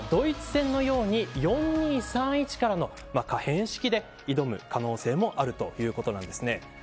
またはドイツ戦のように４‐２‐３‐１からの可変式で挑む可能性があるということです。